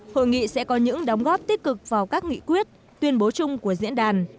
hội nghị sẽ có những đóng góp tích cực vào các nghị quyết tuyên bố chung của diễn đàn